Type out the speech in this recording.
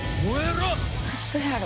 ウソやろ？